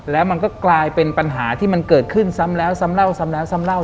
แล้วมันก็กลายเป็นปัญหาที่มันเกิดขึ้นซ้ำแล้วซ้ำเล่าซ้ำแล้วซ้ำเล่า